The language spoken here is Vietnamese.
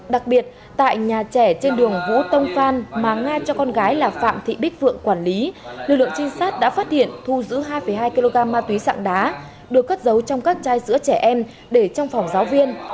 đặc biệt tại nhà trẻ trên đường vũ tông phan mà nga cho con gái là phạm thị bích phượng quản lý lực lượng trinh sát đã phát hiện thu giữ hai hai kg ma túy sạng đá được cất giấu trong các chai sữa trẻ em để trong phòng giáo viên